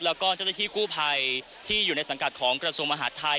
แล้วก็เจ้าหน้าที่กู้ภัยที่อยู่ในสังกัดของกระทรวงมหาดไทย